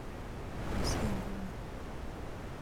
Misingo Marie